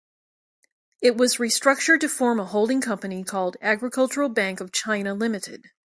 It was restructured to form a holding company called Agricultural Bank of China Limited.